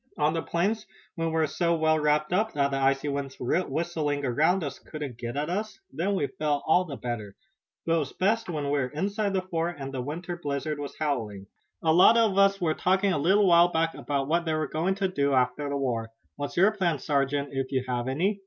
"On the plains when we were so well wrapped up that the icy winds whistling around us couldn't get at us then we felt all the better. But it was best when we were inside the fort and the winter blizzard was howling." "A lot of us were talking a little while back about what they were going to do after the war. What's your plan, sergeant, if you have any?"